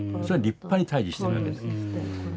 それは立派に対じしてるわけです。